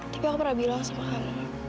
tapi aku pernah bilang sama kamu